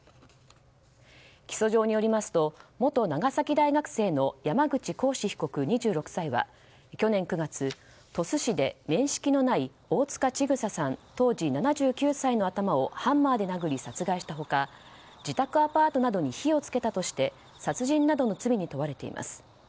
起訴状によりますと元長崎大学生の山口鴻志被告、２６歳は去年９月、鳥栖市で面識のない大塚千種さん当時７９歳の頭をハンマーで殴り殺害した他自宅アパートなどに火を付けたとして殺人などの罪に問われています。